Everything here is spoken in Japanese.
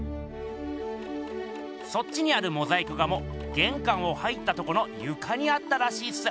そっちにあるモザイク画もげんかんを入ったとこのゆかにあったらしいっす。